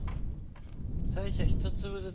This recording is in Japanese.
最初は１粒ずつ？